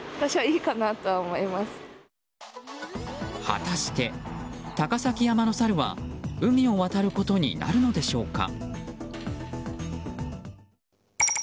果たして、高崎山のサルは海を渡ることになるのでしょうか。